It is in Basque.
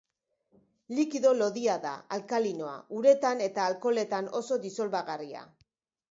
Likido lodia da, alkalinoa, uretan eta alkoholetan oso disolbagarria.